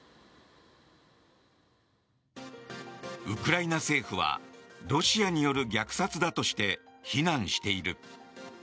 ウクライナ政府はロシアによる虐殺だとして非難している。